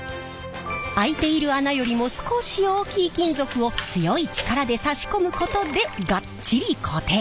開いている穴よりも少し大きい金属を強い力で差し込むことでガッチリ固定。